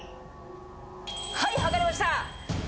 はい、測れました。